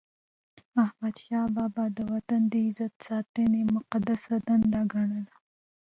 احمدشاه بابا د وطن د عزت ساتنه مقدسه دنده ګڼله.